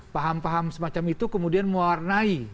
paham paham semacam itu kemudian mewarnai